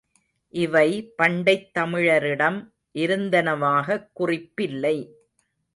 இவை பண்டைத் தமிழரிடம் இருந்தனவாகக் குறிப்பில்லை.